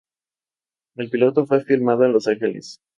El piloto fue filmado en Los Ángeles.